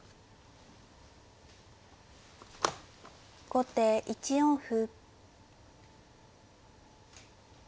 後手１四歩。